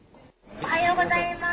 おはようございます。